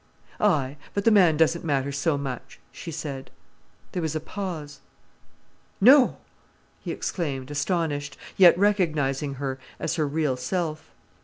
"Aye—but the man doesn't matter so much," she said. There was a pause. "No!" he exclaimed, astonished, yet recognizing her as her real self.